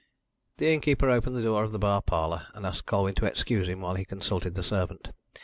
The innkeeper opened the door of the bar parlour, and asked Colwyn to excuse him while he consulted the servant.